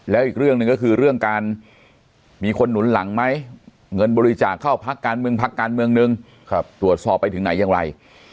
แล้วอีกเรื่องหนึ่งก็คือเรื่องการมีคนหนุนหลังไหมเงินบริจาคเข้าพักการเมืองพักการเมืองนึงตรวจสอบไปถึงไหนอย่างไร